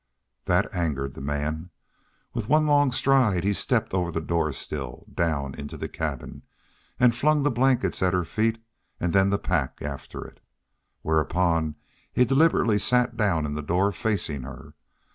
That angered the man. With one long stride he stepped over the doorsill, down into the cabin, and flung the blankets at her feet and then the pack after it. Whereupon he deliberately sat down in the door, facing her.